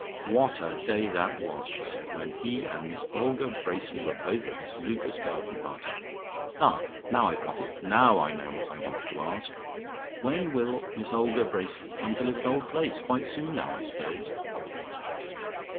"What a day that was," she said, "when he and Miss Olga Bracely were both at Mrs Lucas' garden party. Ah, now I've got it; now I know what I wanted to ask. When will Miss Olga Bracely come to live at Old Place? Quite soon now, I suppose."